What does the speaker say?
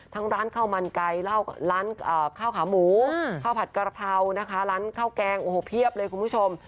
ทั้งร้านเข้ามันไกลร้านข้าวขาหมูข้าวพัดกะเพราร้านข้าวแกงเพียบเลยคุณผู้ชม